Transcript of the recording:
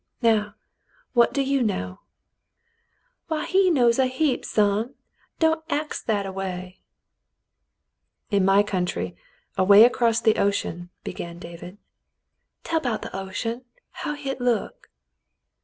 Now, what do you know ?" 20 The Mountain Girl "Why, he knows a heap, son. Don't ax that a way." "In my country, away across the ocean —" began David. "Tell 'bout th' ocean, how hit look."